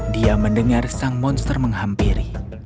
dia mendengar sang monster menghampiri